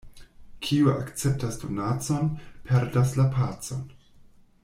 Kiu akceptas donacon, perdas la pacon.